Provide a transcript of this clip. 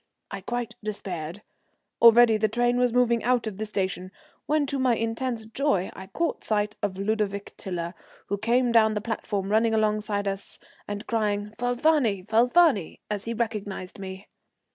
I quite despaired. Already the train was moving out of the station, when, to my intense joy, I caught sight of Ludovic Tiler, who came down the platform running alongside us, and crying, "Falfani, Falfani," as he recognized me.